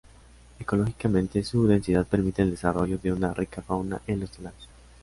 Ecológicamente su densidad permite el desarrollo de una rica fauna en los talares.